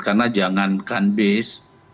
karena jangan kanbis